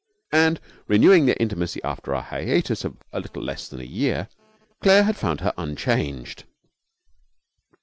And renewing their intimacy after a hiatus of a little less than a year Claire had found her unchanged.